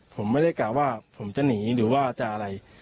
ผมไม่ได้กะว่าผมจะหนีหรือว่าจะอะไร